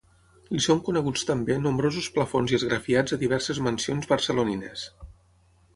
Li són coneguts també nombrosos plafons i esgrafiats a diverses mansions barcelonines.